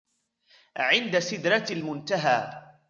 عِندَ سِدْرَةِ الْمُنتَهَى